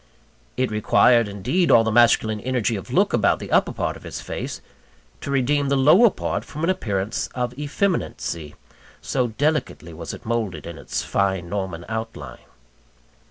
It required, indeed, all the masculine energy of look about the upper part of his face, to redeem the lower part from an appearance of effeminacy, so delicately was it moulded in its fine Norman outline.